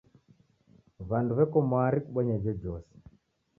W'andu w'eko mwari kubonya ijojose.